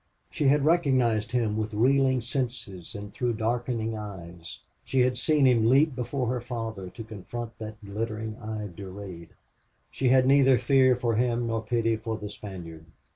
She had recognized him with reeling senses and through darkening eyes. She had seen him leap before her father to confront that glittering eyed Durade. She had neither fear for him nor pity for the Spaniard.